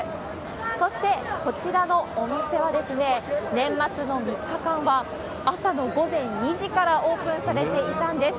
そして、こちらのお店は、年末の３日間は朝の午前２時からオープンされていたんです。